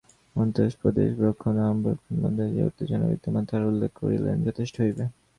মান্দ্রাজ-প্রদেশে ব্রাহ্মণ ও অব্রাহ্মণদের মধ্যে যে উত্তেজনা বিদ্যমান, তাহার উল্লেখ করিলেই যথেষ্ট হইবে।